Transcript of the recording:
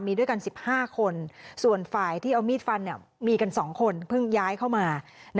มีด้วยกัน๑๕คนส่วนฝ่ายที่เอามีดฟันมีกัน๒คนเพิ่งย้ายเข้ามา